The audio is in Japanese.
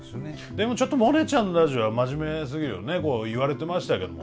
でもちょっとモネちゃんのラジオは真面目すぎるよね言われてましたけども。